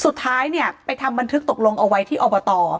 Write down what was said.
สุดท้ายเนี่ยไปทำบันทึกตกลงเอาไว้ที่อบต